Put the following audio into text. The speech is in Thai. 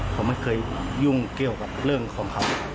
ผมไม่เคยยุ่งเกี่ยวกับเรื่องของเขา